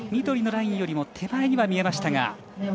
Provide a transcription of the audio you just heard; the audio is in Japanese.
緑のラインよりも手前には見えましたが。